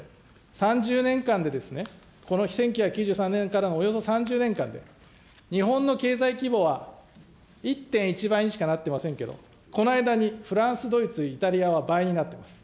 ３０年間でですね、この１９９３年からのおよそ３０年間で、日本の経済規模は１．１倍にしかなってませんけれども、この間にフランス、ドイツ、イタリアは倍になってます。